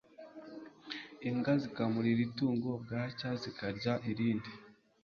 imbwa zikamurira itungo bwacya zikarya iyundi